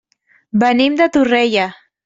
Venim de Torrella.